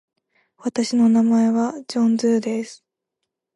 私の名前はジョン・ドゥーです。